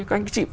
các anh các chị